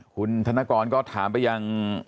คุณธนกรก็ถามไปยัง